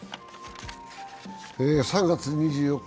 ３月２４日